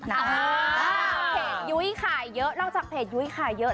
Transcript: เพจยุ้ยขายเยอะนอกจากเพจยุ้ยขายเยอะ